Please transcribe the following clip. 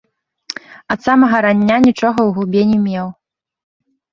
Ад самага рання нічога ў губе не меў.